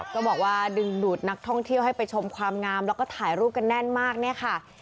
ก็บอกว่าดึงดูดนักท่องเที่ยวให้ไปชมความงามแล้วก็ถ่ายรูปกันแน่นมากเนี่ยค่ะ